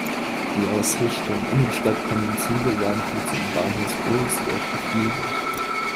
Die aus Richtung Innenstadt kommende Züge werden hierzu im Bahnhof "Ohlsdorf" geflügelt.